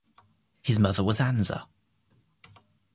His mother was Ansa.